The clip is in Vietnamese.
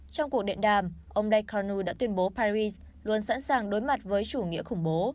trong cuộc điện đàm ông day kono đã tuyên bố paris luôn sẵn sàng đối mặt với chủ nghĩa khủng bố